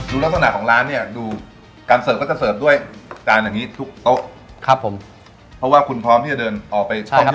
ลักษณะของร้านเนี่ยดูการเสิร์ฟก็จะเสิร์ฟด้วยจานอย่างนี้ทุกโต๊ะครับผมเพราะว่าคุณพร้อมที่จะเดินออกไปช่อง